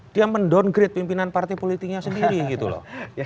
dia mendowngrade pimpinan partai politiknya sendiri gitu loh